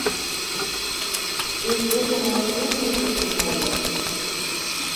Ул фермаға күпме көсөн һалды!